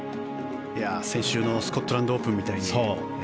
先週のスコットランドオープンみたいに。